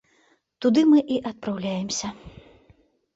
Туды мы і адпраўляемся.